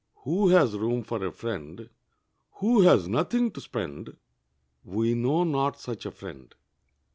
Who has room for a friend Who has nothing to spend? We know not such a friend.